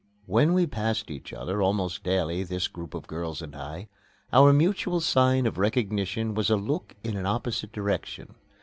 When we passed each other, almost daily, this group of girls and I, our mutual sign of recognition was a look in an opposite direction.